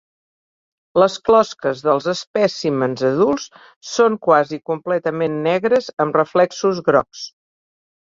Les closques dels espècimens adults són quasi completament negres amb reflexos grocs.